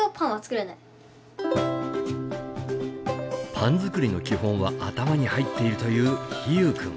パン作りの基本は頭に入っているという陽友君。